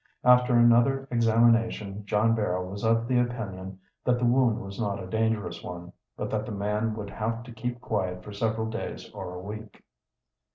After another examination John Barrow was of the opinion that the wound was not a dangerous one, but that the man would have to keep quiet for several days or a week.